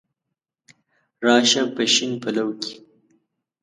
را شه په شین پلو کي